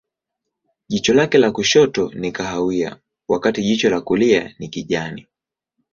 Jicho lake la kushoto ni kahawia, wakati jicho la kulia ni kijani.